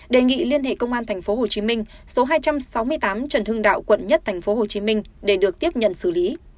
đề nghị liên hệ công an tp hcm số hai trăm sáu mươi tám trần hưng đạo quận một tp hcm để được tiếp nhận xử lý